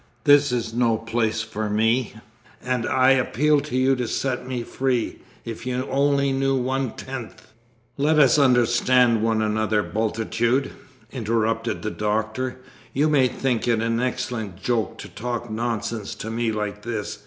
This is no place for me, and I appeal to you to set me free. If you only knew one tenth " "Let us understand one another, Bultitude," interrupted the Doctor. "You may think it an excellent joke to talk nonsense to me like this.